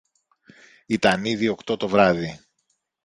Ήταν ήδη οκτώ το βράδυ